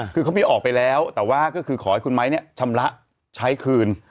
คือเขาไม่ออกไปแล้วแต่ว่าก็คือขอให้คุณไม้เนี่ยชำระใช้คืน